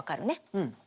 うん。